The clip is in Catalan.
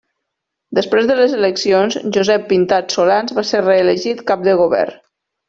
Després de les eleccions, Josep Pintat Solans va ser reelegit Cap de Govern.